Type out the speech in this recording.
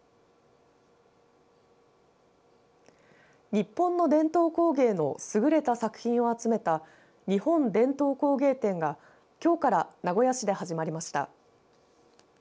日本の伝統工芸の優れた作品を集めた日本伝統工芸展がきょうから名古屋市で始まりました。